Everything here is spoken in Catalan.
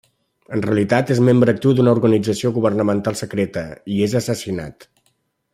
En realitat, és membre actiu d'una organització governamental secreta, i és assassinat.